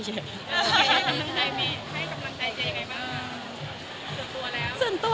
ให้กำลังใจเจ๊ยังไงบ้างส่วนตัวแล้ว